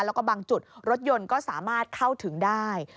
แล้วก็บางจุดรถยนต์ก็สามารถเข้าถึงได้